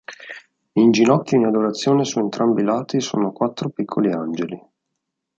In ginocchio in adorazione su entrambi i lati sono quattro piccoli angeli.